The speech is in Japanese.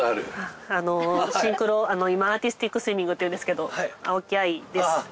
シンクロ今アーティスティックスイミングっていうんですけど青木愛です。